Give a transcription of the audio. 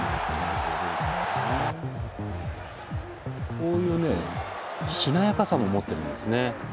こういうねしなやかさも持ってるんですね。